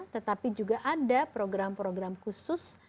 tetapi juga ada program program khusus